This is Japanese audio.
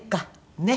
ねっ？